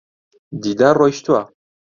دیدار ڕۆیشتووە.